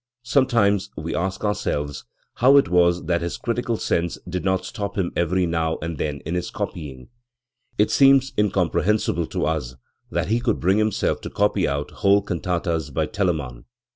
Sometimes we ask ourselves how it was that his critical sense did not stop him every now and then in his copying. It seems incomprehensible to us that he could bring himself to copy out whole can tatas by Telemann.